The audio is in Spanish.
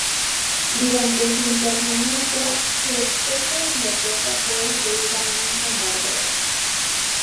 Durante su internamiento, su extensa biblioteca fue destruida en un bombardeo.